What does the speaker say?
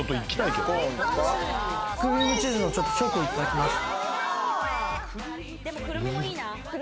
クリームチーズのチョコ、いただきます。